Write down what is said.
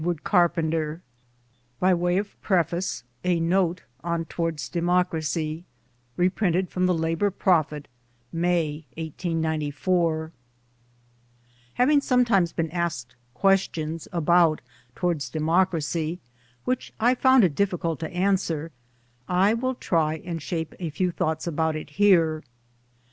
THE END A NOTE ON "TOWARDS DEMOCRACY" A Note on "Towards Democracy" (Reprinted from THE LABOUR PROPHET, May, 1894) HAVING sometimes been asked questions about "Towards Democracy" which I found it difficult to answer, I will try and shape a few thoughts about it here.